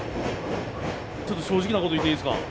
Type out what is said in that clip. ちょっと正直なこと言っていいですか？